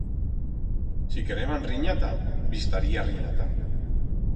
Si quereban rinyata, bi'staría rinyata.